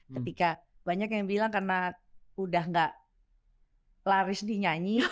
ketika banyak yang bilang karena udah gak laris dinyanyi